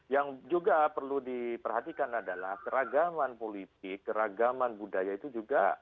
yang juga perlu diperhatikan adalah keragaman politik keragaman budaya itu juga